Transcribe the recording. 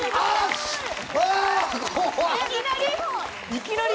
いきなり？